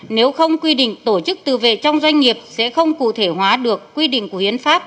nếu không quy định tổ chức tự vệ trong doanh nghiệp sẽ không cụ thể hóa được quy định của hiến pháp